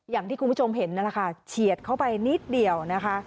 อย่างที่คุณผู้ชมเห็นนั่นแหละค่ะเฉียดเข้าไปนิดเดียวนะคะ